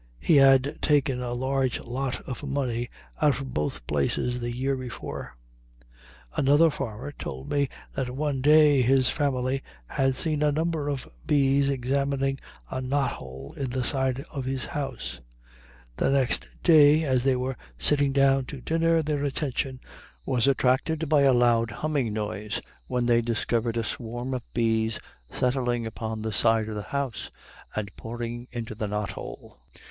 He had taken a large lot of honey out of both places the year before. Another farmer told me that one day his family had seen a number of bees examining a knothole in the side of his house; the next day, as they were sitting down to dinner, their attention was attracted by a loud humming noise, when they discovered a swarm of bees settling upon the side of the house and pouring into the knothole.